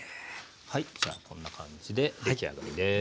じゃあこんな感じで出来上がりです。